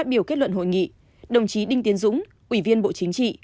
ba tình hình xét nghiệm